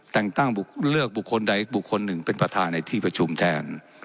แต่งตั้งเลือกบุคคลใดบุคคลหนึ่งเป็นประธานในที่ประชุมแทน